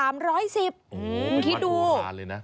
ไม่ควรภูมิมากเลยนะ